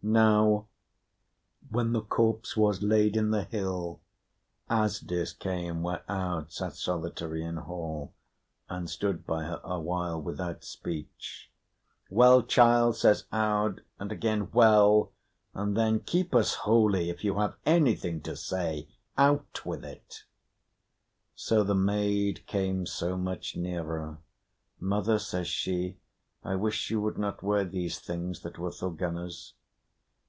Now, when the corpse was laid in the hill, Asdis came where Aud sat solitary in hall, and stood by her awhile without speech. "Well, child?" says Aud; and again "Well?" and then "Keep us holy, if you have anything to say, out with it!" So the maid came so much nearer, "Mother," says she, "I wish you would not wear these things that were Thorgunna's."